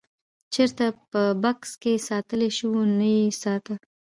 چېرته په بکس کې ساتلی شوو نه یې ساته.